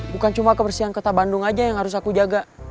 bukan cuma kebersihan kota bandung aja yang harus aku jaga